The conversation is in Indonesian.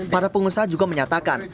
para pengusaha juga menyatakan